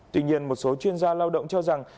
tuy nhiên một số chuyên gia lao động cho rằng